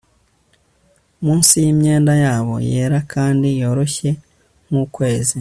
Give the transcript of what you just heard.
Munsi yimyenda yabo yera kandi yoroshye nkukwezi